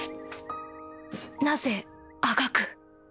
なぜあがく？